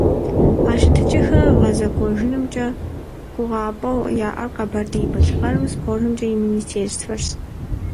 А щытыкӀэхэр гъэзэкӀуэжынымкӀэ гугъапӀэу яӀэр Къэбэрдей-Балъкъэрым СпортымкӀэ и министерствэрщ.